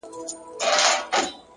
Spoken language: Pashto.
ځوان له ډيري ژړا وروسته څخه ريږدي؛